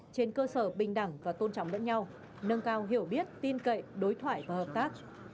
trên cơ sở bình đẳng và tôn trọng lẫn nhau nâng cao hiểu biết tin cậy đối thoại và hợp tác